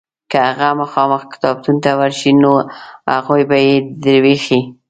که هغه مخامخ کتابتون ته ورشې نو هغوی به یې در وښیي.